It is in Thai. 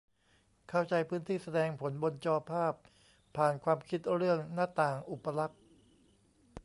เข้าใจ 'พื้นที่แสดงผลบนจอภาพ' ผ่าน ความคิดเรื่อง 'หน้าต่าง' อุปลักษณ์